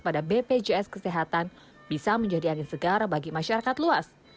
pada bpjs kesehatan bisa menjadi angin segar bagi masyarakat luas